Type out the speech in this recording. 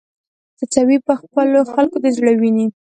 څڅوې په خپلو خلکو د زړه وینې